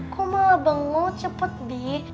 kok malah bangun cepet bi